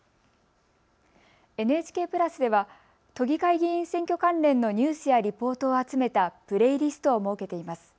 ＮＨＫプラスでは都議会議員選挙関連のニュースやリポートを集めたプレイリストを設けています。